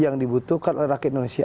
yang dibutuhkan oleh rakyat indonesia